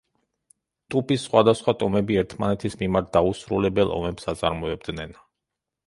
ტუპის სხვადასხვა ტომები ერთმანეთის მიმართ დაუსრულებელ ომებს აწარმოებდნენ.